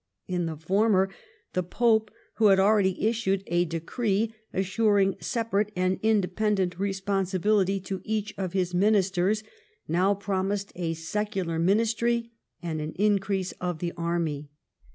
In the former, the Pope, who liad already issued a decree assuring separate and independent responsibility to each of his ministers, now promised a secular ministry and an increase of the army.